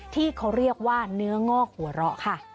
ที่เขาเรียกว่าเนื้องอกหัวเราะค่ะ